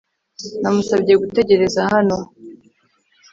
Namusabye gutegereza hano